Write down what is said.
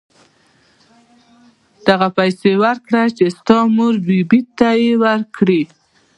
نو دغه پيسې ورکه چې د تا مور بي بي ته يې ورکي.